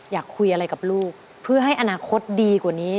อยากคุยอะไรกับลูกเพื่อให้อนาคตดีกว่านี้